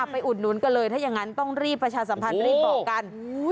อุดหนุนกันเลยถ้าอย่างนั้นต้องรีบประชาสัมพันธ์รีบบอกกัน